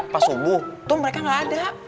pas subuh tuh mereka gak ada